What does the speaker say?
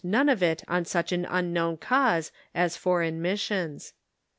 243 none of it on such an unknown cause as foreign missions.